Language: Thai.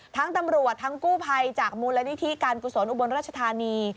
ทั้งตำรวจทั้งกู้ภัยจากมูลนิธิการกุศลอุบลราชธานี